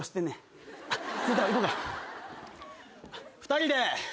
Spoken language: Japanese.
２人で。